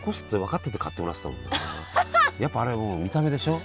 やっぱあれも見た目でしょ？